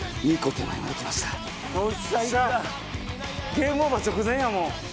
ゲームオーバー直前やもう。